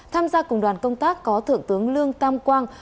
tham gia cùng đoàn công tác có thượng tướng lương tam quang